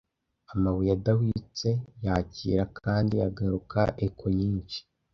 Amabuye adahwitse yakira kandi agaruka echo nyinshi,